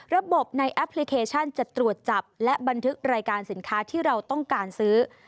ระบบในแอปพลิเคชันจะตรวจจับและบันทึกรายการสินค้าที่เราต้องการซื้อ